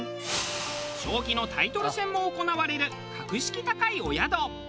将棋のタイトル戦も行われる格式高いお宿。